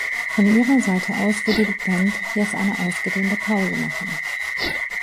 Von ihrer Seite aus würde die Band jetzt eine ausgedehnte Pause machen.